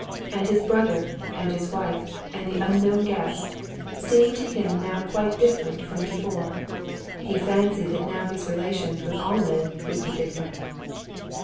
And his brother and his wife and the unknown guest seemed to him now quite different from before. He fancied that now his relations with all men would be different.